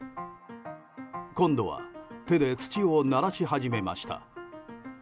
今度は手で土をならし始めました。